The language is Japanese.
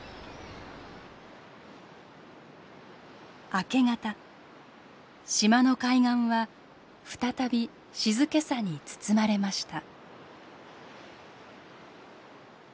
明け方島の海岸は再び静けさに包まれました。